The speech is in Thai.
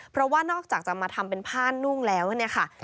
เพราะว่านอกจากจะมาทำเป็นผ้านุ่งแล้วเนี่ยค่ะ